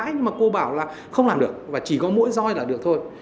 nhưng mà cô bảo là không làm được và chỉ có mỗi doi là được thôi